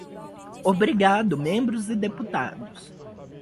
Obrigado, membros e deputados.